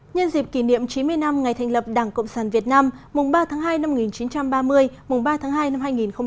nhân dịp kỷ niệm chín mươi năm ngày thành lập đảng cộng sản việt nam mùng ba tháng hai năm một nghìn chín trăm ba mươi mùng ba tháng hai năm hai nghìn hai mươi